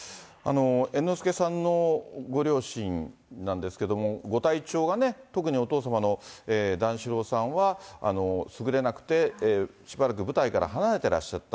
猿之助さんのご両親なんですけれども、ご体調が、特にお父様の段四郎さんはすぐれなくて、しばらく舞台から離れてらっしゃった。